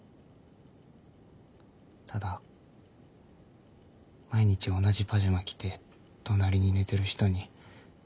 ただ毎日同じパジャマ着て隣に寝てる人に俺はそのう。